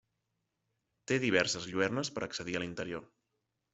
Té diverses lluernes per accedir a l'interior.